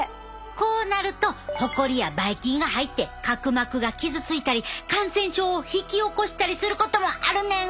こうなるとホコリやばい菌が入って角膜が傷ついたり感染症を引き起こしたりすることもあるねん！